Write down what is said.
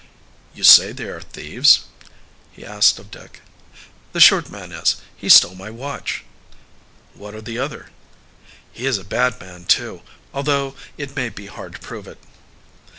"You say they are thieves?" he asked of Dick. "The short man is. He stole my watch." "What of the other?" "He is a bad man too although it may be hard to prove it."